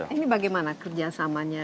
ini bagaimana kerjasamanya